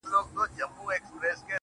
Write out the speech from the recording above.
زه وايم دا.